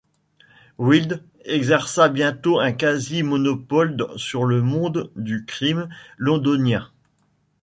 Wild exerça bientôt un quasi-monopole sur le monde du crime londonien.